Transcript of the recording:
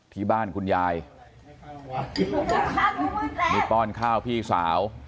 ที่บ้านคุณยายนี่ป้อนข้าวพี่สาว